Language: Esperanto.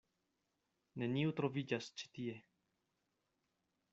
Neniu troviĝas ĉi tie.